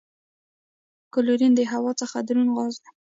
کلورین د هوا څخه دروند غاز دی.